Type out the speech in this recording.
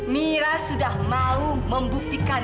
mira sudah mau membuktikan